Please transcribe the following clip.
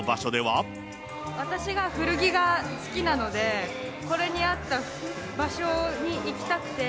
私が古着が好きなので、これに合った場所に行きたくて。